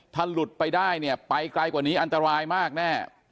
ถ้าหลุดไปได้เนี่ยไปไกลกว่านี้อันตรายมากแน่